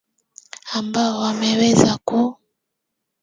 ambao wameweza ku